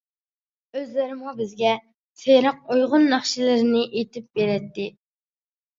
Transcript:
ئۆزلىرىمۇ بىزگە سېرىق ئۇيغۇر ناخشىلىرىنى ئېيتىپ بېرەتتى.